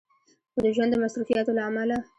خو د ژوند د مصروفياتو له عمله